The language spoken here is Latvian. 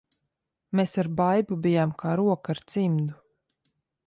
Mēs ar Baibu bijām kā roka ar cimdu.